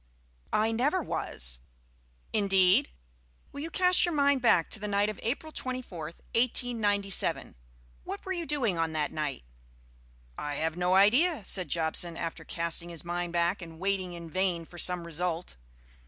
"I never was." "Indeed? Will you cast your mind back to the night of April 24th, 1897? What were you doing on that night?" "I have no idea," said Jobson, after casting his mind back and waiting in vain for some result.